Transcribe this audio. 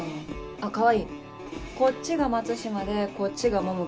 あっ川合こっちが松島でこっちが桃木。